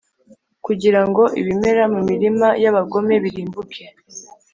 kugira ngo ibimera mu mirima y’abagome birimbuke.